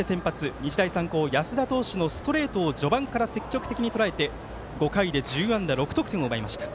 日大三高安田投手のストレートを序盤から積極的にとらえて５回で１０安打６得点を奪いました。